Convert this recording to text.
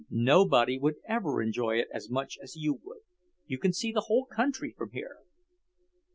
Nobody would ever enjoy it as much as you would. You can see the whole country from here."